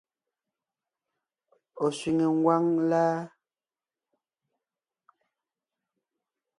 Ɔ̀ sẅiŋe ngwáŋ láa?